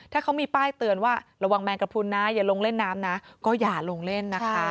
ถ้าเขามีป้ายเตือนว่าระวังแมงกระพุนนะอย่าลงเล่นน้ำนะก็อย่าลงเล่นนะคะ